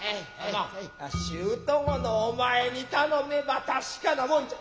まあ舅御のお前に頼めば確かなもんじゃ。